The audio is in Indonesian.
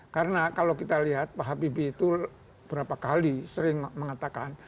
karena kalau kita lihat pak habibie itu berapa kali sering mengatakan